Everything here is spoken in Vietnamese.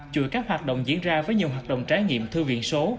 chuỗi các hoạt động diễn ra với nhiều hoạt động trái nghiệm thư biện số